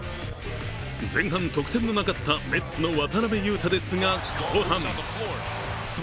前半得点のなかったネッツの渡邊雄太ですが、後半。